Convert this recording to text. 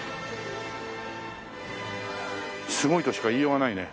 すごいとしか言いようがないね。